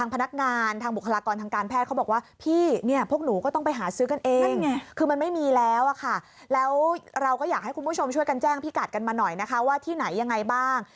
พนักงานทางบุคลากรทางการแพทย์เขาบอกว่าพี่เนี่ยพวกหนูก็ต้องไปหาซื้อกันเองคือไม่มีแล้วค่ะแล้วเราก็อยากให้คุณผู้ชมช่วยกันแจ้งพี่กัดกันมาหน่อยนะคะว่าที่ไหนอย่างไรบ้าง